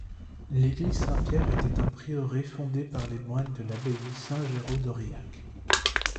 L'église Saint-Pierre était un prieuré fondé par les moines de l'abbaye Saint-Géraud d'Aurillac.